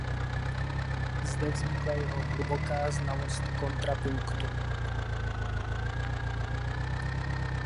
Zde vynikla jeho hluboká znalost kontrapunktu.